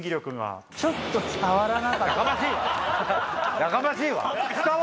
やかましいわ！